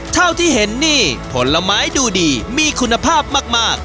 เท่าที่เห็นนี่ผลไม้ดูดีมีคุณภาพมาก